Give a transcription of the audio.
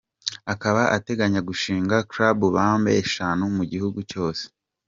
Akaba ateganya gushinga “Club Bambe” eshanu mu gihugu cyose.